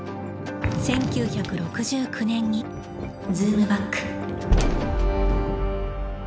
１９６９年にズームバック。